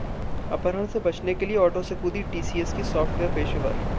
अपहरण से बचने के लिए ऑटो से कूदी टीसीएस की सॉफ्टवेयर पेशेवर